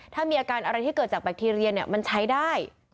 ถ้ามีอาการอะไรที่เกิดจากแบคทีเรียมันใช้ได้